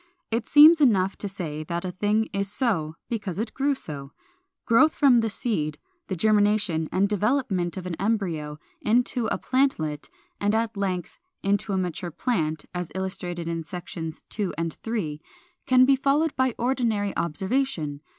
It seems enough to say that a thing is so because it grew so. Growth from the seed, the germination and development of an embryo into a plantlet, and at length into a mature plant (as illustrated in Sections II. and III.), can be followed by ordinary observation.